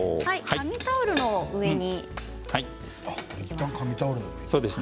紙タオルの上に。